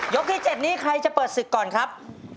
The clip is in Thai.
ที่๗นี้ใครจะเปิดศึกก่อนครับ